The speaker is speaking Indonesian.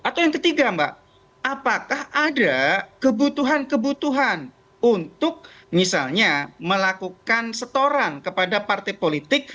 atau yang ketiga mbak apakah ada kebutuhan kebutuhan untuk misalnya melakukan setoran kepada partai politik